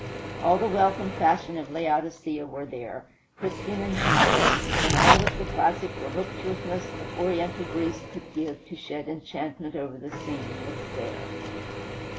All the wealth and fashion of Laodicea were there, Christian and heathen; and all that the classic voluptuousness of Oriental Greece could give to shed enchantment over the scene was there.